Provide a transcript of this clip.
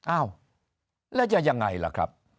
อ้าวแล้วจะยังไงล่ะครับ